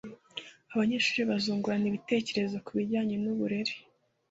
abanyeshuri bazungurana ibitekerezo ku bijyanye n’uburere